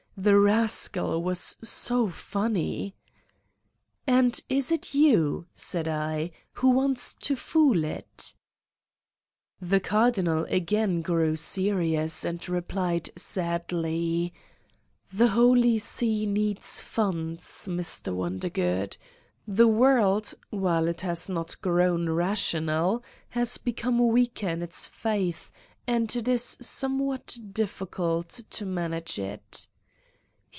The rascal was so funny !'' And is it you, '' said I, '' who wants to fool it ?" The Cardinal again grew serious and replied sadly : "The Holy See needs funds, Mr. Wondergood. The world, while it has not grown rational, has become weaker in its faith and it is somewhat difficult to manage it."